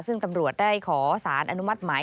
ซึ่งตำรวจได้ขอสารอนุมัติหมาย